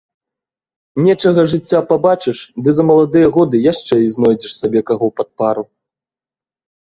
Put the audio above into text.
Нечага жыцця пабачыш ды за маладыя гады яшчэ і знойдзеш сабе каго пад пару.